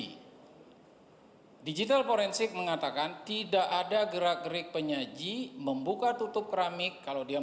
hai digital forensik mengatakan tidak ada gerak gerik penyaji membuka tutup keramik kalau dia